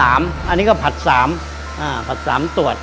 อันนี้ก็ผัด๓ตรวจ